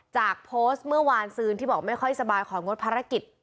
จากโพสต์เมื่อวานซืนที่บอกไม่ค่อยสบายของงดภารกิจ